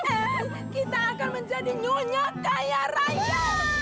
an kita akan menjadi nyonya kaya raya